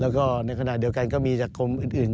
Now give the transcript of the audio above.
แล้วก็ในขณะเดียวกันก็มีจากคมอื่น